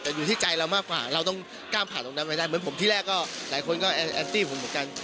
แต่อยู่ที่ใจเรามากกว่าเราต้องกล้ามผ่านตรงนั้นไว้ได้เหมือนผมที่แรกก็หลายคนก็แอนตี้ผมเหมือนกัน